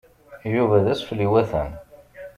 Yuba d asfel iwatan.